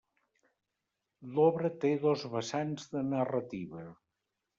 L'obra té dos vessants de narrativa.